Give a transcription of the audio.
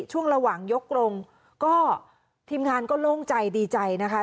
ช่วงระหว่างยกลงก็ทีมงานก็โล่งใจดีใจนะคะ